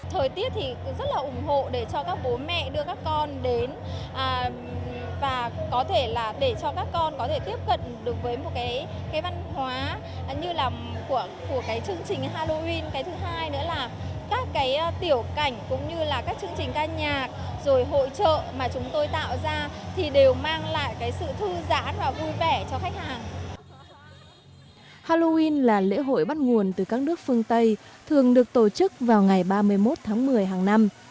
halloween là lễ hội bắt nguồn từ các nước phương tây thường được tổ chức vào ngày ba mươi một tháng một mươi hàng năm